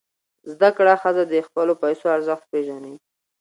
زده کړه ښځه د خپلو پیسو ارزښت پېژني.